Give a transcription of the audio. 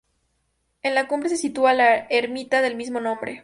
En la cumbre se sitúa la ermita del mismo nombre.